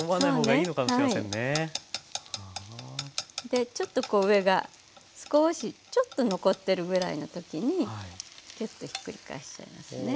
でちょっとこう上が少しちょっと残ってるぐらいの時にきゅっとひっくり返しちゃいますね。